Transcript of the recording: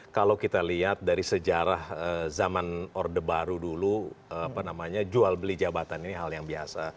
kalau kita lihat dari sejarah zaman orde baru dulu jual beli jabatan ini hal yang biasa